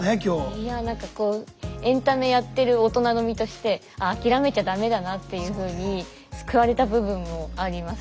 いや何かこうエンタメやってる大人の身としてああ諦めちゃ駄目だなっていうふうに救われた部分もありますし。